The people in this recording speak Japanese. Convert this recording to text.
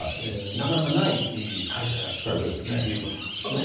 なかなかない会社であるということですね。